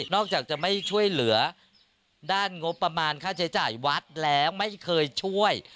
อกจากจะไม่ช่วยเหลือด้านงบประมาณค่าใช้จ่ายวัดแล้วไม่เคยช่วย